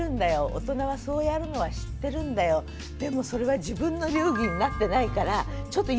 大人はそうやるのは知ってるんだよでもそれは自分の流儀になってないからちょっと勇気が要るのよ。